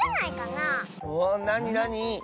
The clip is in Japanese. なになに？